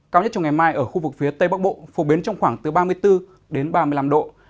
cao nhất trong ngày mai ở khu vực phía tây bắc bộ phổ biến trong khoảng từ ba mươi bốn đến ba mươi năm độ